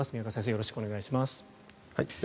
よろしくお願いします。